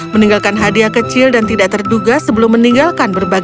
meninggalkan hadiah kecil dan tidak terduga sebelum meninggalkan berbagai